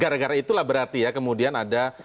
gara gara itulah berarti ya kemudian ada